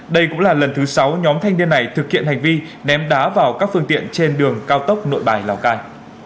đây cũng là lần thứ sáu nhóm thanh niên này thực hiện hành vi ném đá vào các phương tiện trên đường cao tốc nội bài lào cai